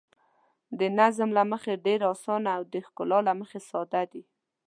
د نظم له مخې ډېر اسانه او د ښکلا له مخې ساده دي.